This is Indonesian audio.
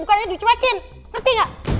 bukannya dicuekin ngerti gak